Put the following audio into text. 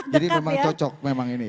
jadi memang cocok memang ini